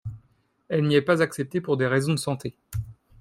Elle n'y est pas acceptée pour des raisons de santé.